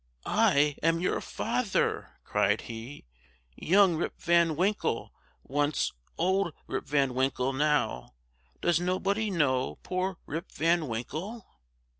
"I am your father!" cried he "Young Rip Van Winkle once old Rip Van Winkle now Does nobody know poor Rip Van Winkle!"